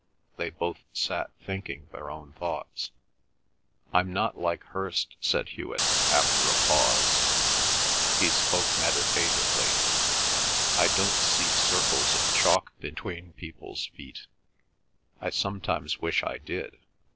They both sat thinking their own thoughts. "I'm not like Hirst," said Hewet, after a pause; he spoke meditatively; "I don't see circles of chalk between people's feet. I sometimes wish I did.